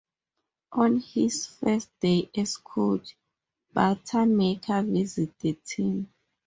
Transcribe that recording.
On his first day as coach, Buttermaker visits the team.